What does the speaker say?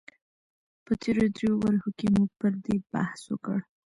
په تېرو دريو برخو کې مو پر دې بحث وکړ